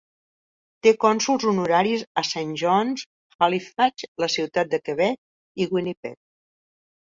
Té cònsols honoraris a Saint John's, Halifax, la ciutat de Quebec i Winnipeg.